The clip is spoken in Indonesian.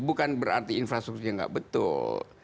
bukan berarti infrastrukturnya nggak betul